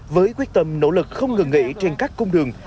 với quyết tâm nỗ lực không ngừng nghỉ trên các cung đường